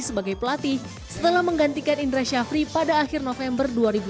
sebagai pelatih setelah menggantikan indra syafri pada akhir november dua ribu tujuh belas lalu